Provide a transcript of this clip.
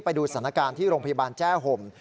ไปดูสถานการณ์ที่โรงพยาบาลแจ้ห่ม